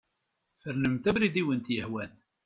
Fernemt abrid i awent-yehwan.